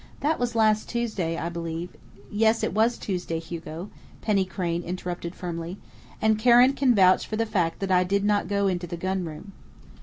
That was last Tuesday, I believe " "Yes, it was Tuesday, Hugo," Penny Crain interrupted firmly. "And Karen can vouch for the fact that I did not go into the gun room."